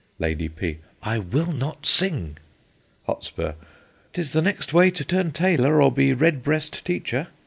Lady P. I will not sing. Hot. 'Tis the next way to turn tailor, or be redbreast teacher.